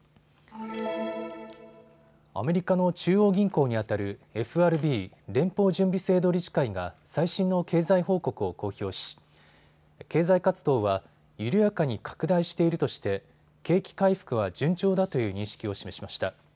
アメリカの中央銀行にあたるＦＲＢ・連邦準備制度理事会が最新の経済報告を公表し、経済活動は緩やかに拡大しているとして景気回復は順調だという認識を示しました。